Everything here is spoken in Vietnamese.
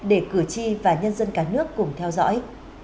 để cử tri và nhân dân cả nước cùng theo dõi